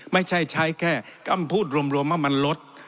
ไม่ใช่ใช้แค่กำพูดรวมว่ามันลด